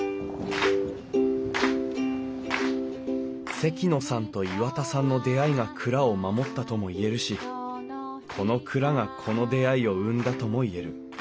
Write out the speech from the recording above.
関野さんと岩田さんの出会いが蔵を守ったとも言えるしこの蔵がこの出会いを生んだとも言える。